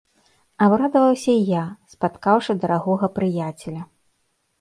Абрадаваўся і я, спаткаўшы дарагога прыяцеля.